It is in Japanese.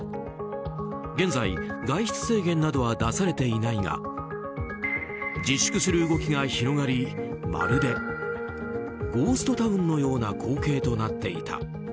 現在、外出制限などは出されていないが自粛する動きが広がりまるでゴーストタウンのような光景となっていた。